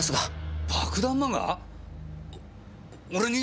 俺に？